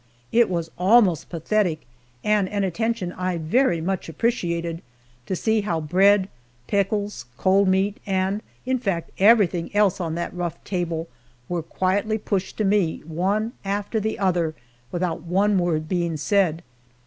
It was almost pathetic, and an attention I very much appreciated, to see how bread, pickles, cold meat, and in fact everything else on that rough table, were quietly pushed to me, one after the other, without one word being said.